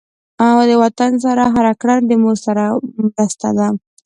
د وطن سره هر کړنه د مور سره مرسته ده.